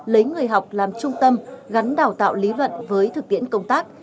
lấy người học làm trung tâm gắn đào tạo lý luận với thực tiễn công tác